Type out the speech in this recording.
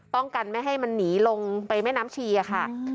กันไม่ให้มันหนีลงไปแม่น้ำชีค่ะ